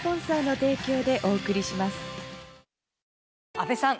阿部さん